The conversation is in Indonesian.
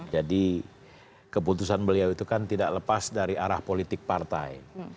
jadi keputusan beliau itu kan tidak lepas dari arah politik partai